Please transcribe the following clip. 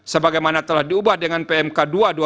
sebagaimana telah diubah dengan pmk dua dua ribu dua puluh empat